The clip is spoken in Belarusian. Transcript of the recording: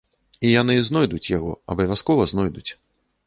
І яны знойдуць яго, абавязкова знойдуць.